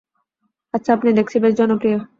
আচ্ছা, আপনি দেখছি বেশ জনপ্রিয়।